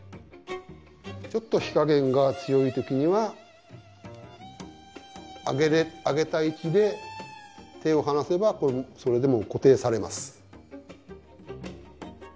ちょっと火加減が強い時には上げたい位置で手を離せばそれでもう固定されます。